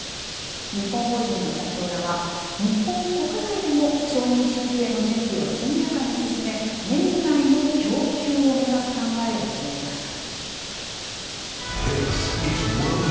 日本法人の社長らは、日本国内でも承認申請の準備を速やかに進め、年内の供給を目指す考えを示しました。